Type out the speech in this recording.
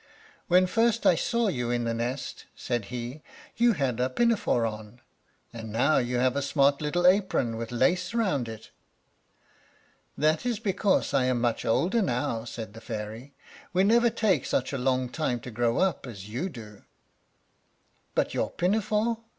"When first I saw you in the nest," said he, "you had a pinafore on, and now you have a smart little apron, with lace round it." "That is because I am much older now," said the fairy; "we never take such a long time to grow up as you do." "But your pinafore?"